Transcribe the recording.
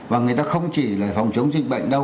và người ta không chỉ là phòng chống dịch bệnh đâu